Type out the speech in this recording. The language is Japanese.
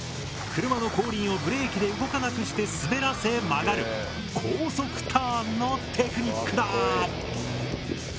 車の後輪をブレーキで動かなくして滑らせ曲がる高速ターンのテクニックだ。